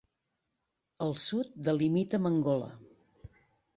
Al sud delimita amb Angola.